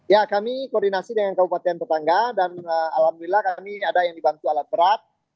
ya kami koordinasi dengan kabupaten tetangga dan alhamdulillah kami ada yang dibantu alat berat